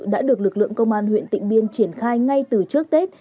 đã được lực lượng công an huyện tịnh biên triển khai ngay từ trước tết